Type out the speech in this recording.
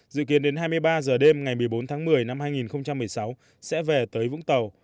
dự kiến đến hai mươi ba h đêm ngày một mươi bốn tháng một mươi năm hai nghìn một mươi sáu sẽ về tới vũng tàu